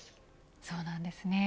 そうなんですね。